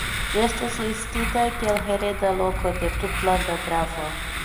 Ĝi estas listita kiel hereda loko de tutlanda gravo.